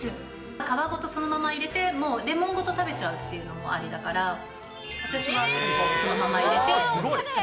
皮ごとそのまま入れて、レモンごと食べちゃうっていうのもありだから、私はそのまま入れて。